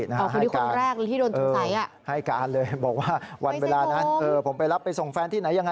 คือคนแรกที่โดนถูกใส่ให้การเลยบอกว่าวันเวลานั้นผมไปรับไปส่งแฟนที่ไหน